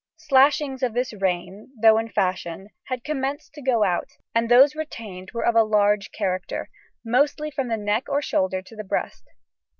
Slashings of this reign, though in fashion, had commenced to go out; and those retained were of a large character, mostly from the neck or shoulder to the breast.